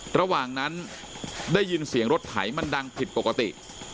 ระหว่างนั้นได้ยินเสียงรถไถมันดังผิดปกติ